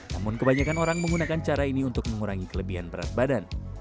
namun kebanyakan orang menggunakan cara ini untuk mengurangi kelebihan berat badan